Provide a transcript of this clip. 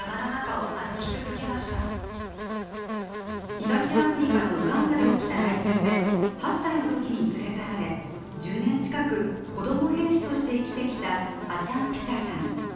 東アフリカのウガンダで起きた内戦で８歳のときに連れ去られ１０年近く子ども兵士として生きてきたアチャン・ピチャさん。